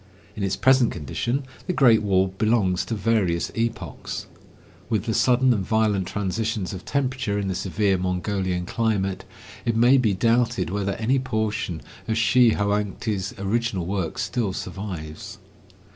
In its present condition the Great Wall belongs to various epochs. With the sudden and violent transitions of 171 temperature in the severe Mongolian climate, it may be doubted whether any portion of Shi Hoangti' s original work still survives.